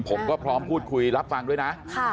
ผมก็พร้อมพูดคุยรับฟังด้วยนะ